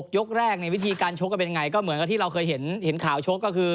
ยกแรกในวิธีการชกกันเป็นยังไงก็เหมือนกับที่เราเคยเห็นข่าวชกก็คือ